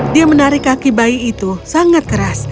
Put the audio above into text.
dia menarik kaki bayi itu sangat keras